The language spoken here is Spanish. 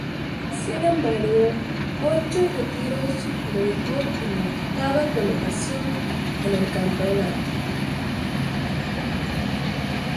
Sin embargo, ocho retiros lo dejó en la octava colocación en el campeonato.